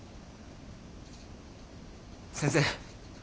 先生